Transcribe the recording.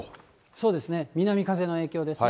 そうですね、南風の影響ですね。